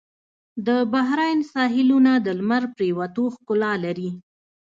د بحرین ساحلونه د لمر پرېوتو ښکلا لري.